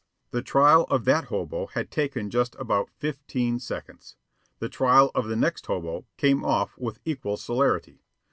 The trial of that hobo had taken just about fifteen seconds. The trial of the next hobo came off with equal celerity.